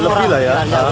lebih lah ya